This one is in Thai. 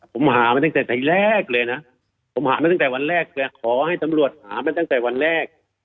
ผมหามาตั้งแต่แรกเลยนะผมหามาตั้งแต่วันแรกเลยขอให้ตำรวจหามาตั้งแต่วันแรก